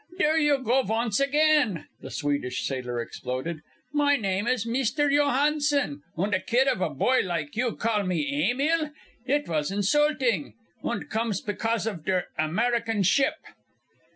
"Dere you go vonce again!" the Swedish sailor exploded. "My name is Mister Johansen, und a kid of a boy like you call me 'Emil!' It vas insulting, und comes pecause of der American ship!"